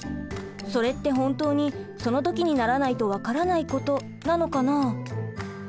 それって本当にそのときにならないとわからないことなのかな？